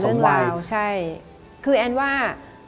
เรื่องราวใช่คือแอนว่า